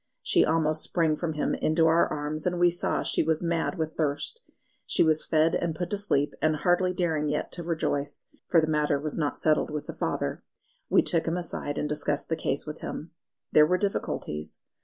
She almost sprang from him into our arms, and we saw she was mad with thirst. She was fed and put to sleep, and hardly daring yet to rejoice (for the matter was not settled with the father), we took him aside and discussed the case with him. There were difficulties.